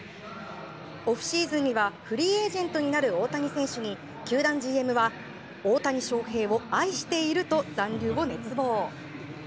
オフシーズンにはフリーエージェントになる大谷選手に球団ＧＭは大谷翔平を愛していると残留を熱望。